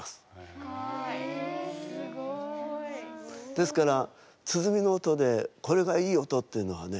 ですから鼓の音でこれがいい音っていうのはね